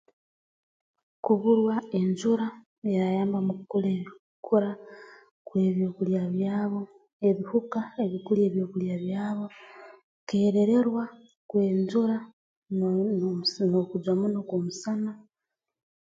Kuburwa enjura eyeerayamba mu kukole kukura kw'ebyokulya byabo ebihuka ebi kulya ebyokulya byabo kukeererwa kw'enjura noo n'okujwa muno kw'omusana